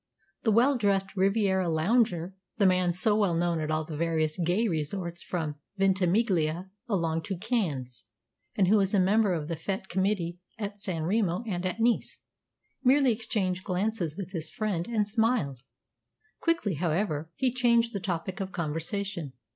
The well dressed Riviera lounger the man so well known at all the various gay resorts from Ventimiglia along to Cannes, and who was a member of the Fêtes Committee at San Remo and at Nice merely exchanged glances with his friend and smiled. Quickly, however, he changed the topic of conversation.